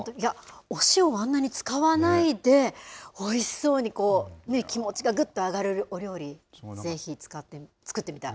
お塩をあんなに使わないで、おいしそうに、気持ちがぐっと上がるお料理、ぜひ作ってみたい。